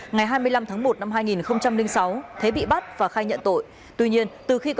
ngày hai mươi năm tháng một năm hai nghìn sáu thế bị bắt và khai nhận tội